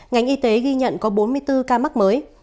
ngành y tế ghi nhận có bốn mươi bốn ca mắc mới